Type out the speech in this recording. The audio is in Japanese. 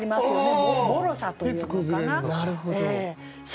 もろさというのかな。